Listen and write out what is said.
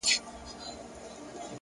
خدايه هغه داسي نه وه ـ